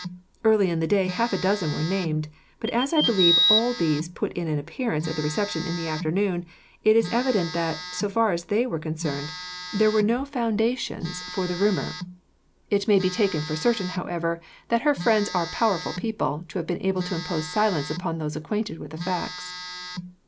Early in the day half a dozen were named, but as I believe all of these put in an appearance at the reception in the afternoon, it is evident that, so far as they were concerned, there were no foundations for the rumour. It may be taken for certain, however, that her friends are powerful people, to have been able to impose silence upon those acquainted with the facts."